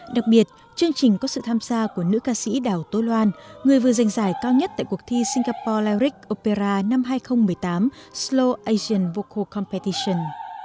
đặc biệt chương trình có sự tham gia của nữ ca sĩ đào tố loan người vừa giành giải cao nhất tại cuộc thi singapore lyric opera năm hai nghìn một mươi tám slow asian vocal competition